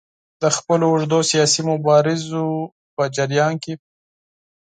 د خپلو اوږدو سیاسي مبارزو په جریان کې.